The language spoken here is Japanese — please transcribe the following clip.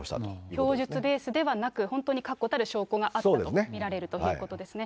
供述ベースではなく、本当に確固たる証拠があったと見られるということですね。